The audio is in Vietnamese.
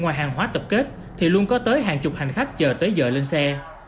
ngoài hàng hóa tập kết thì luôn có tới hàng chục hành khách chờ tới giờ lên xe